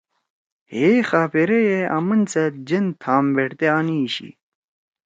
ہیے خآپیرئی یے آمن سیت جن تھام ویڑتے آنیئ شی۔